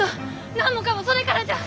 何もかんもそれからじゃ！